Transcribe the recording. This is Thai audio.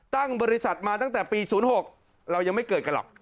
ตั้งบริษัทมาตั้งแต่ปี๐๖เรายังไม่เกิดกันหรอก